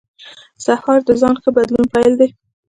سهار د ځان ښه بدلون پیل دی.